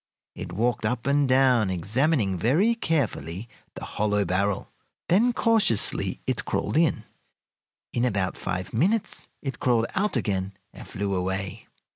It walked up and down, examining very carefully the hollow barrel, then cautiously it crawled in. In about five minutes it crawled out again and flew away.